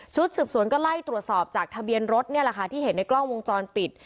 สืบสวนก็ไล่ตรวจสอบจากทะเบียนรถนี่แหละค่ะที่เห็นในกล้องวงจรปิด